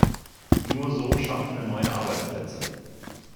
Nur so schaffen wir neue Arbeitsplätze.